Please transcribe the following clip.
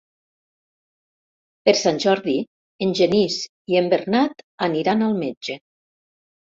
Per Sant Jordi en Genís i en Bernat aniran al metge.